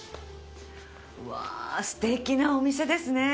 うわ素敵なお店ですね。